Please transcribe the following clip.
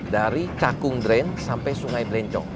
dari cakung dren sampai sungai drencong